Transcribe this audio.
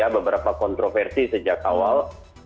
beberapa kontroversi sejak awal